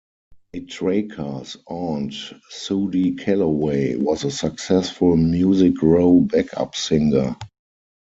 Matraca's Aunt Sudie Calloway was a successful Music Row backup singer.